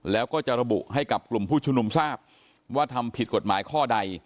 แล้วก็จะระบุให้กับกลุ่มผู้ชุมนุมทราบว่าทำผิดกฎหมายข้อใด